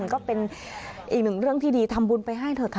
ก็เป็นอีกหนึ่งเรื่องที่ดีทำบุญไปให้เถอะค่ะ